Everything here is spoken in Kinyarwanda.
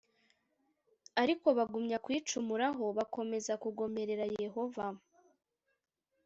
ariko bagumya kuyicumuraho bakomeza kugomerera yehova